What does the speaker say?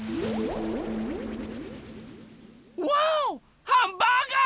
わおハンバーガー！